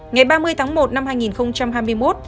ngày ba mươi tháng một năm hai nghìn hai mươi một